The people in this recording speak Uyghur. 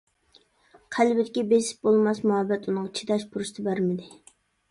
قەلبىدىكى بېسىپ بولماس مۇھەببەت ئۇنىڭغا چىداش پۇرسىتى بەرمىدى.